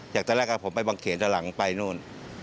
จากตั้งแต่แรกกับผมไปบางเขียนจากหลังไปนู่น